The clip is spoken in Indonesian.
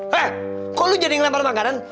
he kok lo jadi yang lempar makanan